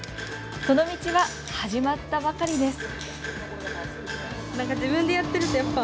その道は始まったばかりです。